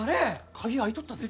鍵開いとったで。